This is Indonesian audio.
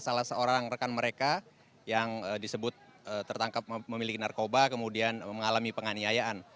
salah seorang rekan mereka yang disebut tertangkap memiliki narkoba kemudian mengalami penganiayaan